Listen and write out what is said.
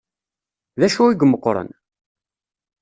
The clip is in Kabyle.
D acu i imeqqren?